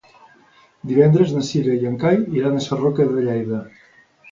Divendres na Cira i en Cai iran a Sarroca de Lleida.